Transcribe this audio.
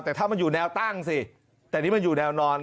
แต่ถ้ามันอยู่แนวตั้งสิแต่นี่มันอยู่แนวนอน